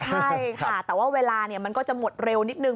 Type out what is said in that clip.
ใช่ค่ะแต่ว่าเวลามันก็จะหมดเร็วนิดนึ